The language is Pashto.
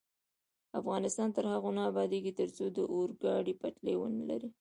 افغانستان تر هغو نه ابادیږي، ترڅو د اورګاډي پټلۍ ونلرو.